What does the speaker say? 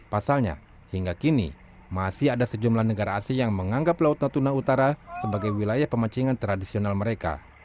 pasalnya hingga kini masih ada sejumlah negara asing yang menganggap laut natuna utara sebagai wilayah pemacingan tradisional mereka